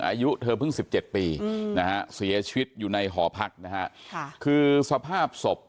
อายุเธอเพิ่ง๑๗ปีนะฮะเสียชีวิตอยู่ในหอพักนะฮะคือสภาพศพ